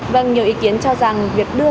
vâng nhiều ý kiến cho rằng việc đưa